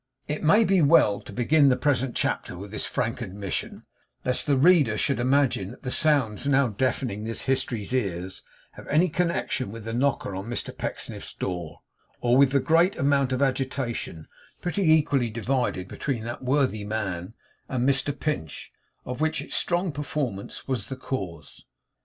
It may be well to begin the present chapter with this frank admission, lest the reader should imagine that the sounds now deafening this history's ears have any connection with the knocker on Mr Pecksniff's door, or with the great amount of agitation pretty equally divided between that worthy man and Mr Pinch, of which its strong performance was the cause.